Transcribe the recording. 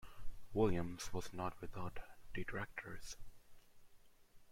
Williams was not without detractors.